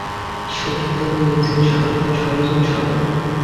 সত্য নিজে সর্বদা সহজ ও সরল।